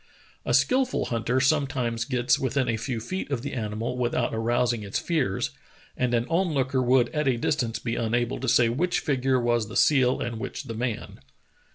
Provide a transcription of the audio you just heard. A skilful hunter sometimes gets within a few feet of the animal without arousing its fears, and an on looker would at a distance be unable to say which figure was the seal and which the man.